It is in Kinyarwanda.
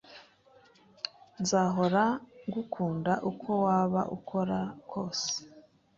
Nzahora ngukunda uko waba ukora kose